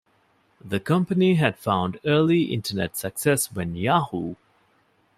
The company had found early Internet success when Yahoo!